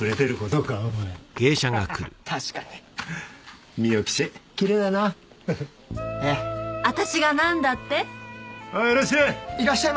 はいいらっしゃい！